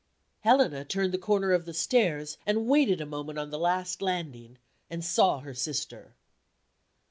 Helena turned the corner of the stairs, and waited a moment on the last landing, and saw her sister.